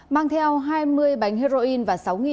mang theo hai mươi bánh heroin và sáu đồng